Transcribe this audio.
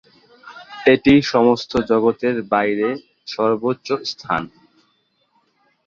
এটি সমস্ত জগতের বাইরে সর্বোচ্চ স্থান।